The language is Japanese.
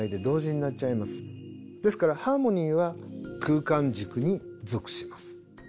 ですからハーモニーは空間軸に属します。